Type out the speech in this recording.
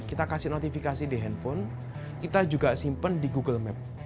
kita kasih notifikasi di handphone kita juga simpen di google map